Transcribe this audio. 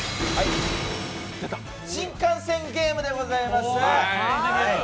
「新幹線ゲーム」でございます。